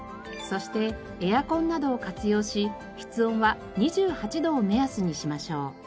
そしてエアコンなどを活用し室温は２８度を目安にしましょう。